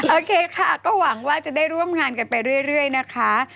โอเคค่ะก็หวังว่าจะได้ร่วมงานกันไปเรื่อยนะคะ